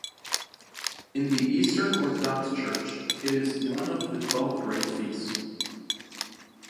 In the Eastern Orthodox Church, it is one of the twelve Great Feasts.